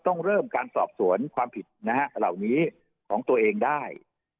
ต้องเริ่มการสอบสวนความผิดนะฮะเหล่านี้ของตัวเองได้